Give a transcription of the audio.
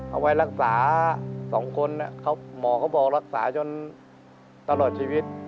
เอาไว้รักษา๒คนหมอเขาบอกรักษาจนตลอดชีวิต